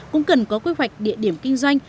cũng cần có quy hoạch địa điểm kinh doanh